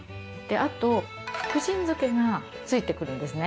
あと、福神漬けがついてくるんですね。